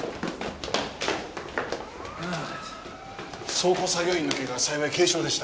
倉庫作業員のケガは幸い軽傷でした。